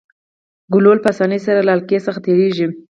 ګلوله په اسانۍ سره له حلقې څخه تیریږي.